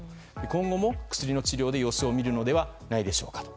今後も薬の治療で様子を見るのではないでしょうかと。